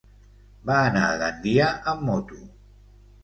Va anar a Gandia amb moto.